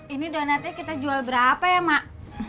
ini donatnya kita jual berapa ya mak